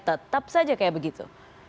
tetap saja seperti itu